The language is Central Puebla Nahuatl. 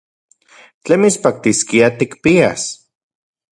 ¿Tlen mitspaktiskia tikpias?